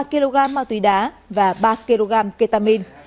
ba kg ma túy đá và ba kg ketamin